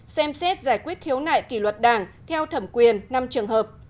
xem xét giải quyết khiếu nại kỷ luật đảng theo thẩm quyền năm trường hợp